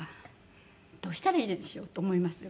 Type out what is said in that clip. どうしたらいいでしょうと思いますよ